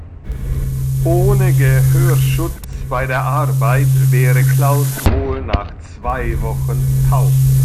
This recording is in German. Ohne Gehörschutz bei der Arbeit wäre Klaus wohl nach zwei Wochen taub.